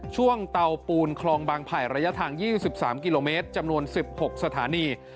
เตาปูนคลองบางไผ่ระยะทาง๒๓กิโลเมตรจำนวน๑๖สถานี